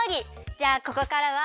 じゃあここからは。